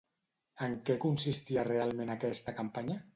En què consistia realment aquesta campanya?